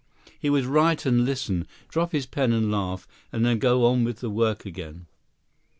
He would write and listen, drop his pen and laugh, and then go on with work again.